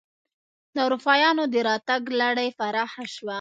د اروپایانو دراتګ لړۍ پراخه شوه.